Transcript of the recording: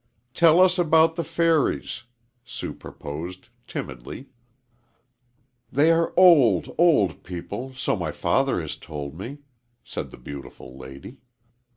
"Tell us about the fairies," Sue proposed, timidly. "They are old, old people so my father has told me," said the beautiful lady.